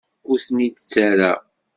Ur ten-id-ttarraɣ.